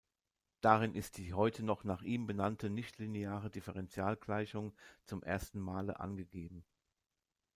Darin ist die heute noch nach ihm benannte nichtlineare Differentialgleichung zum ersten Male angegeben.